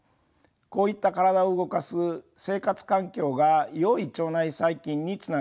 こういった体を動かす生活環境がよい腸内細菌につながっています。